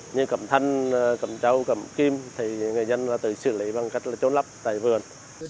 như cầm thân cầm trâu cầm kim thì người dân là tự xử lý bằng cách trốn lấp tại vườn